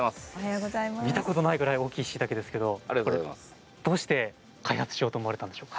見たことないぐらい大きいしいたけですけれどもどうして、開発しようと思われたんですか？